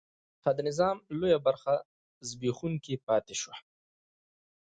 د نظام لویه برخه زبېښونکې پاتې شوه.